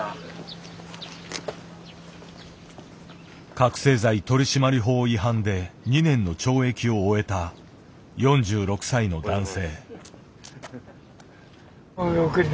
覚醒剤取締法違反で２年の懲役を終えた４６歳の男性。